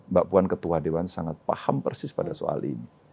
mbak puan ketua dewan sangat paham persis pada soal ini